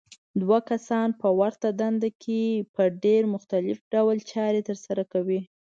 دوه کسان په ورته دنده کې په ډېر مختلف ډول چارې ترسره کوي.